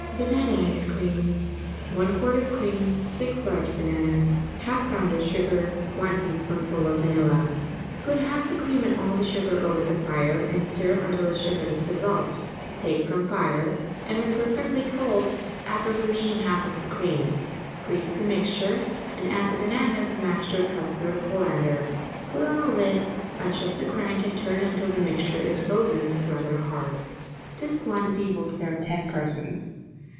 BANANA ICE CREAM 1 quart of cream 6 large bananas 1/2 pound of sugar 1 teaspoonful of vanilla Put half the cream and all the sugar over the fire and stir until the sugar is dissolved; take from the fire, and, when perfectly cold, add the remaining half of the cream. Freeze the mixture, and add the bananas mashed or pressed through a colander. Put on the lid, adjust the crank, and turn until the mixture is frozen rather hard. This quantity will serve ten persons.